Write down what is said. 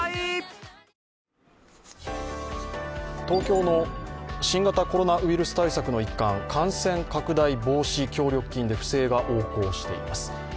東京の新型コロナウイルス対策の一環、感染拡大防止協力金で不正が横行しています。